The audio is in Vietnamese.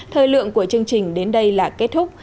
thời lượng của chương trình đến đây là kết thúc